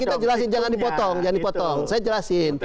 kita jelasin jangan dipotong jangan dipotong saya jelasin